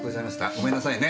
ごめんなさいね。